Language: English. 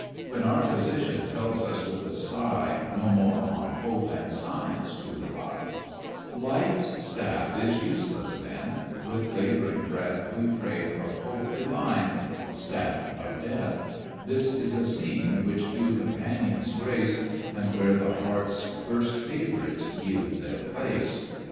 When our physician tells us with a sigh, No more on hope and science to rely, Life's staff is useless then; with labouring breath We pray for Hope divine the staff of Death; This is a scene which few companions grace, And where the heart's first favourites yield their place.